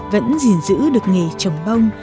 vẫn gìn giữ được nghề trồng bông